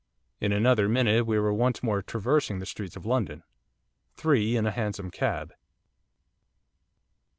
In another minute we were once more traversing the streets of London, three in a hansom cab.